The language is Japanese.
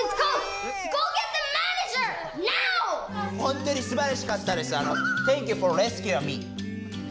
ほんとにすばらしかったです。